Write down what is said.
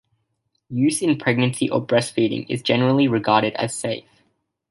Use in pregnancy or breastfeeding is generally regarded as safe.